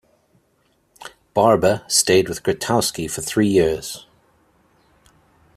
Barba stayed with Grotowski for three years.